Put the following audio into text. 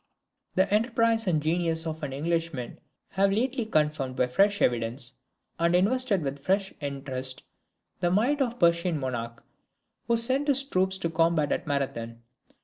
The enterprise and genius of an Englishman have lately confirmed by fresh evidence, and invested with fresh interest, the might of the Persian monarch, who sent his troops to combat at Marathon.